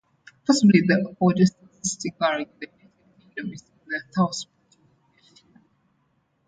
Possibly the oldest existing garage in the United Kingdom is in Southport Lancashire.